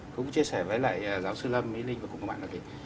cũng chia sẻ với lại giáo sư lâm mỹ linh và cùng các bạn là thế